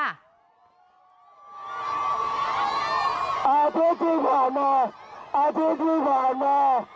อาทิตย์ที่ผ่านมาอาทิตย์ที่ผ่านมา